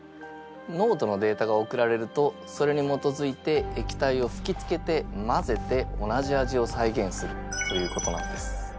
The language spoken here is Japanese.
濃度のデータが送られるとそれに基づいて液体を吹きつけて混ぜて同じ味を再現するということなんです。